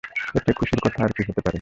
এর চেয়ে খুশির কথা আর কী হতে পারে?